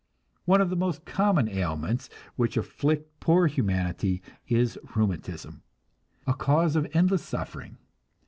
One of the common ailments which afflict poor humanity is rheumatism, a cause of endless suffering.